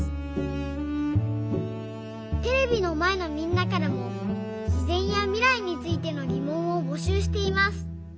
テレビのまえのみんなからもしぜんやみらいについてのぎもんをぼしゅうしています。